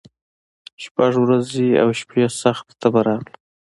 شپږ ورځي او شپي سخته تبه راغله